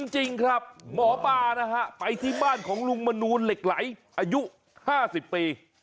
จริงครับหมอปลานะฮะไปที่บ้านของลุงมนูลเหล็กไหลอายุ๕๐ปี